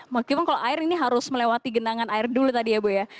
meskipun kalau air ini harus melewati genangan air dulu tadi ya bu ya